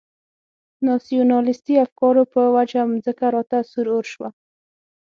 ناسیونالیستي افکارو په وجه مځکه راته سور اور شوه.